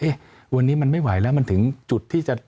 วันนี้มันไม่ไหวแล้วมันถึงจุดที่จะ